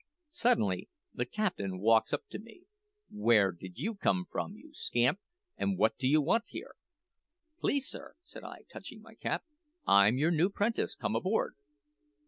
Suddenly the captain walks up to me: `Where did you come from, you scamp, and what do you want here?' "`Please, sir,' said I, touching my cap, `I'm your new 'prentice come aboard.'